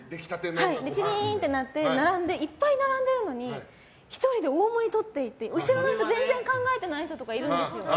チリーンってなっていっぱい並んでるのに１人で大盛り取っていって後ろの人全然考えてない人とかいるんですよ。